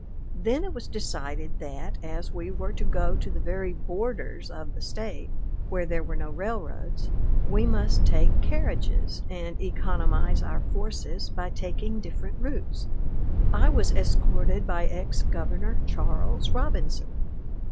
Then it was decided that, as we were to go to the very borders of the State, where there were no railroads, we must take carriages, and economize our forces by taking different routes. I was escorted by ex Governor Charles Robinson.